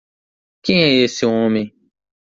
Quem é esse homem?